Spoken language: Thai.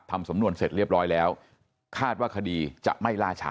ขอบคุณครับ